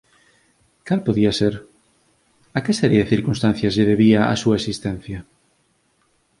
Cal podía ser? A que serie de circunstancias lle debería a súa existencia?